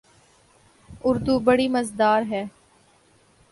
اوروہ بڑی مزیدار ہے۔